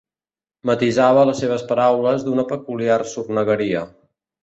Matisava les seves paraules d'una peculiar sornegueria.